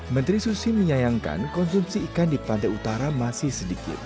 menteri susi menyayangkan konsumsi ikan di pantai utara masih sedikit